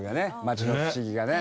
町の不思議がね。